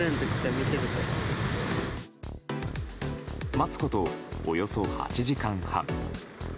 待つことおよそ８時間半。